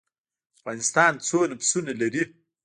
افغانستان څومره پسونه لري؟